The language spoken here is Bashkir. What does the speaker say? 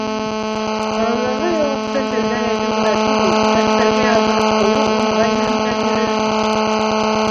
Һорауҙарға яуапты телдән әйтеү генә түгел, дәфтәргә яҙҙырып ҡуйыу ыңғай һөҙөмтә бирер.